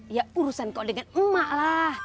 ya urusan kau dengan emak lah